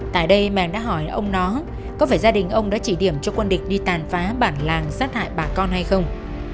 tại đây mèng đã hỏi ông nó có phải gia đình ông đã chỉ điểm cho quân địch đi tàn phá bản làng sát hại bà con hay không